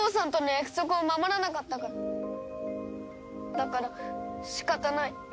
だから仕方ない。